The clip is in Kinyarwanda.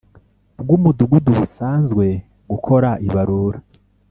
bw Umudugudu busabwe gukora ibarura